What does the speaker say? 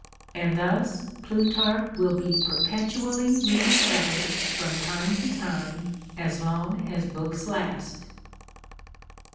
And thus Plutarch will be perpetually rediscovered from time to time as lonji as books last.